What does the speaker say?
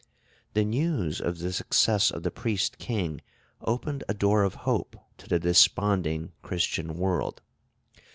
The news of the success of the Priest King opened a door of hope to the desponding Christian world.